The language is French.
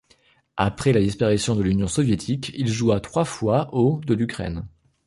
Après la disparition de l'Union Soviétique, il joua trois fois au de l'Ukraine.